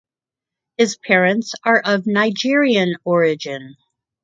His parents are of Nigerian origin.